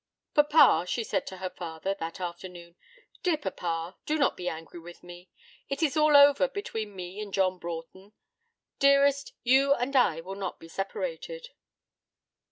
'Papa,' she said to her father that afternoon, 'dear papa, do not be angry with me. It is all over between me and John Broughton. Dearest, you and I will not be separated.'